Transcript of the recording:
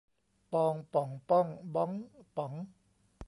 ปอง ป่อง ป้อง บ๊อง ป๋อง